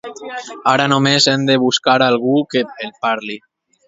Ara només hem de buscar algú que el parli.